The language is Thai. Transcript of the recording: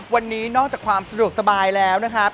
วันนี้นอกจากความสะดวกสบายแล้วนะครับ